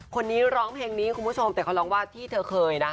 คนนี้ร้องเพลงนี้คุณผู้ชมแต่เขาร้องว่าที่เธอเคยนะ